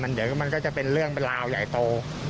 เดี๋ยวมันก็จะเป็นเรื่องเป็นราวใหญ่โต